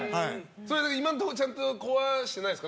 今のところちゃんと壊してないですか？